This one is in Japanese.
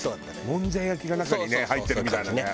もんじゃ焼きが中にね入ってるみたいなね。